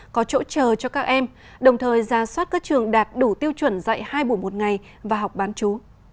có chỗ chờ cho các em đồng thời ra soát các trường đạt đủ tiêu chuẩn dạy hai buổi một ngày và học bán chú